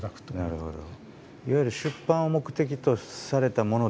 なるほど。